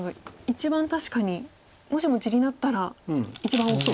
一番確かにもしも地になったら一番大きい。